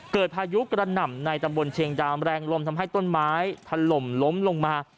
พายุกระหน่ำในตำบลเชียงดามแรงลมทำให้ต้นไม้ถล่มล้มลงมา